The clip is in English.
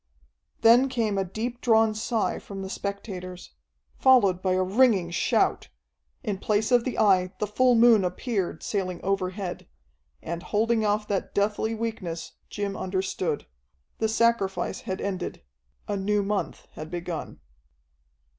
Then came a deep drawn sigh from the spectators, followed by a ringing shout. In place of the Eye the full moon appeared, sailing overhead. And, holding off that deathly weakness, Jim understood. The sacrifice had ended; a new month had begun....